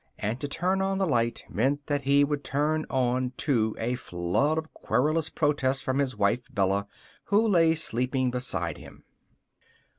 And to turn on the light meant that he would turn on, too, a flood of querulous protest from his wife, Bella, who lay asleep beside him.